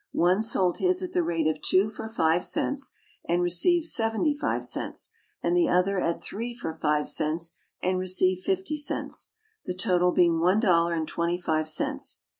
One sold his at the rate of two for five cents, and received seventy five cents, and the other at three for five cents, and received fifty cents, the total being one dollar and twenty five cents.